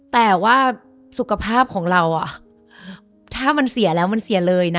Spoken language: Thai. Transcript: แต่ว่าสุขภาพของเราถ้ามันเสียแล้วมันเสียเลยนะ